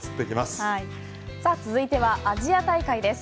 続いてはアジア大会です。